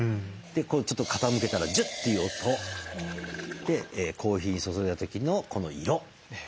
ちょっと傾けたらジュッていう音。でコーヒー注いだ時のこの色。